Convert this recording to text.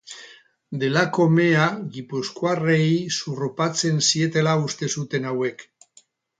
Delako mea gipuzkoarrei zurrupatzen zietela uste zuten hauek.